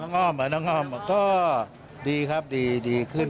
ง่อมน้องออมก็ดีครับดีขึ้น